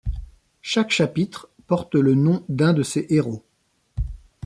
Chaque chapitre porte le nom d'un de ses héros.